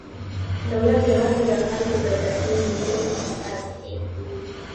دولت یوازې د خلکو د تصمیم نیولو استازی دی.